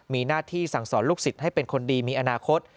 มีหน้าที่สั่งสอนลูกศิษย์ให้เป็นคนดีมีอนาคต